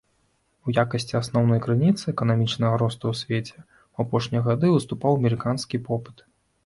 У якасці асноўнай крыніцы эканамічнага росту ў свеце ў апошнія гады выступаў амерыканскі попыт.